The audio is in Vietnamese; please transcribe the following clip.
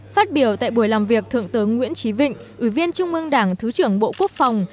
phát biểu tại buổi làm việc thượng tướng nguyễn trí vịnh ủy viên trung ương đảng thứ trưởng bộ quốc phòng